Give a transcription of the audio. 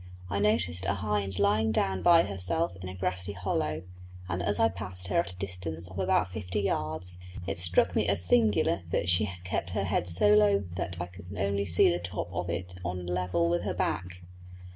I noticed a hind lying down by herself in a grassy hollow, and as I passed her at a distance of about fifty yards it struck me as singular that she kept her head so low down that I could only see the top of it on a level with her back.